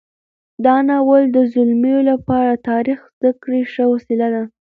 دا ناول د زلمیو لپاره د تاریخ زده کړې ښه وسیله ده.